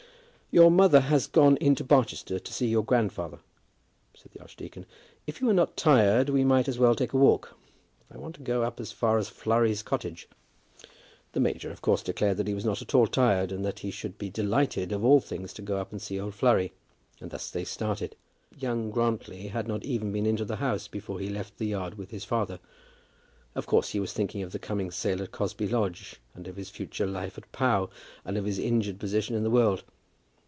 "Your mother has gone into Barchester to see your grandfather," said the archdeacon. "If you are not tired, we might as well take a walk. I want to go up as far as Flurry's cottage." The major of course declared that he was not at all tired, and that he should be delighted of all things to go up and see old Flurry, and thus they started. Young Grantly had not even been into the house before he left the yard with his father. Of course, he was thinking of the coming sale at Cosby Lodge, and of his future life at Pau, and of his injured position in the world.